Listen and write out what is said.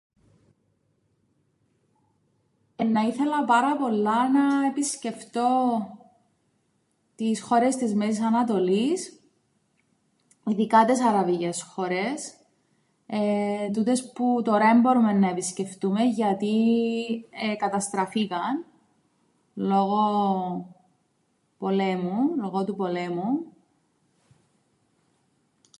Εννά ήθελα πάρα πολλά να επισκεφτώ τις χώρες της Μέσης Ανατολής, ειδικά τες Αραβικές χώρες, εεε τούτες που τωρά εν μπορούμεν να επισκεφτούμεν γιατί εκαταστραφήκαν λόγω πολέμου, λόγω του πολέμου.